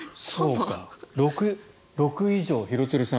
６以上、廣津留さん。